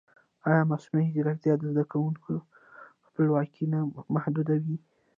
ایا مصنوعي ځیرکتیا د زده کوونکي خپلواکي نه محدودوي؟